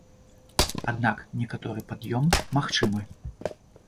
Аднак некаторы пад'ём магчымы.